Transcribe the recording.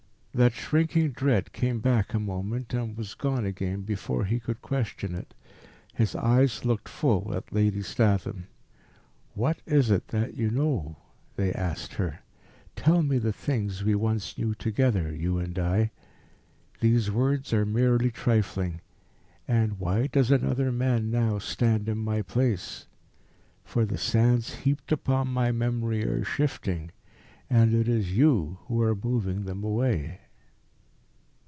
That shrinking dread came back a moment, and was gone again before he could question it. His eyes looked full at Lady Statham. "What is it that you know?" they asked her. "Tell me the things we once knew together, you and I. These words are merely trifling. And why does another man now stand in my place? For the sands heaped upon my memory are shifting, and it is you who are moving them away."